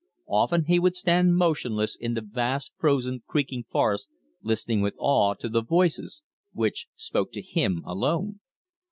Often he would stand motionless in the vast frozen, creaking forest, listening with awe to the voices which spoke to him alone.